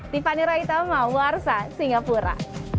tiffany raitama warsan singapura